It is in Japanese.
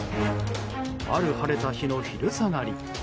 ある晴れた日の昼下がり。